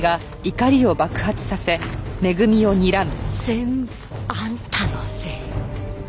全部あんたのせいよ。